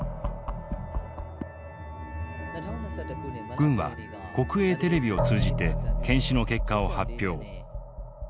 軍は国営テレビを通じて検視の結果を発表。